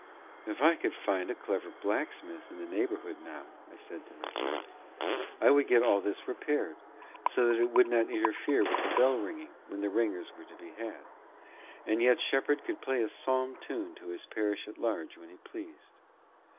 "If I could find a clever blacksmith in the neighbourhood, now," I said to myself, "I would get this all repaired, so that it should not interfere with the bell ringing when the ringers were to be had, and yet Shepherd could play a psalm tune to his parish at large when he pleased."